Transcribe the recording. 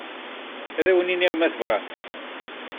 Ad awen-iniɣ, ma tebɣam.